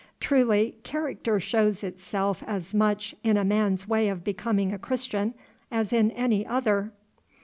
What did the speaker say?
Truly, character shows itself as much in a man's way of becoming a Christian as in any other!